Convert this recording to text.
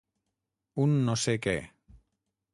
Un no sé què.